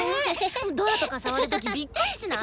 ドアとか触る時びっくりしない？